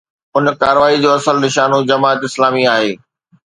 ان ڪارروائي جو اصل نشانو جماعت اسلامي آهي.